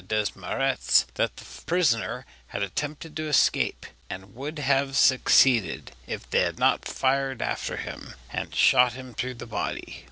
Desmarets that the prisoner had attempted to escape, and would have succeeded if they had not fired after him and shot him through the body.